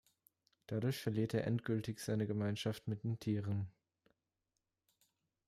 Dadurch verliert er endgültig seine Gemeinschaft mit den Tieren.